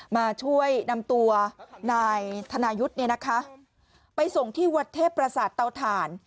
มาช่วยนำตัวนายธนายุทธ์เนี่ยนะคะไปส่งที่วัดเทพประสาทเตาถ่าน